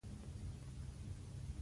تل ښه او اصیل څیز اخله چې ډېر عمر وکړي.